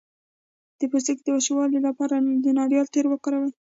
د پوستکي د وچوالي لپاره د ناریل تېل وکاروئ